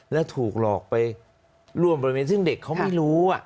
และถูกหลอกไปร่วมบริเวณซึ่งเด็กเขาไม่รู้